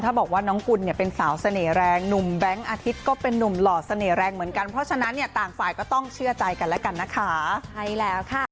กับคุณหนึ่งเหมือนเดิมครับ